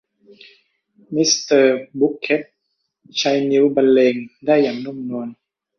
มิสเตอร์บุคเค็ทใช้นิ้วบรรเลงได้อย่างนุ่มนวล